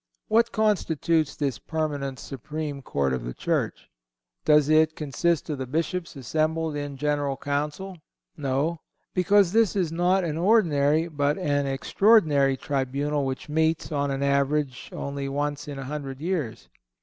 What constitutes this permanent supreme court of the Church? Does it consist of the Bishops assembled in General Council? No; because this is not an ordinary but an extraordinary tribunal which meets, on an average, only once in a hundred years.